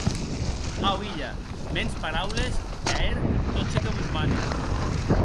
Au, hilha, mens paraules e a hèr tot çò que vos manen.